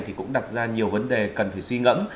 thì cũng đặt ra nhiều vấn đề cần phải suy ngẫm